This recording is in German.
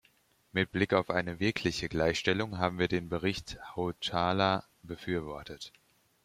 Mit Blick auf eine wirkliche Gleichstellung haben wir den Bericht Hautala befürwortet.